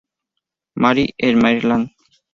Mary en Maryland.